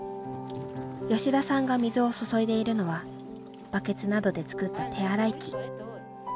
吉田さんが水を注いでいるのはバケツなどで作った手洗い器。